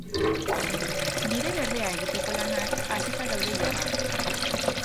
Bide berdea egiteko lanak hasita daude jada.